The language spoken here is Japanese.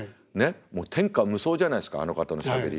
もう天下無双じゃないですかあの方のしゃべり。